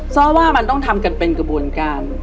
ซ่อว่ามันต้องทำกันเป็นกระบวนการ